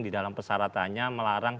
di dalam persaratannya melarang